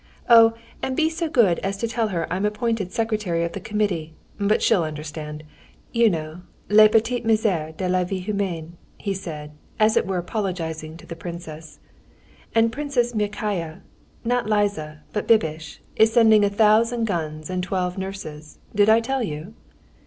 Oh, and be so good as to tell her I'm appointed secretary of the committee.... But she'll understand! You know, les petites misères de la vie humaine," he said, as it were apologizing to the princess. "And Princess Myakaya—not Liza, but Bibish—is sending a thousand guns and twelve nurses. Did I tell you?"